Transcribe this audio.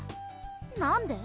なんで？